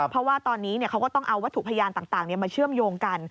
เพราะว่าตอนนี้เขาก็ต้องเอาวัตถุพยานต่างมาเชื่อมโยงกัน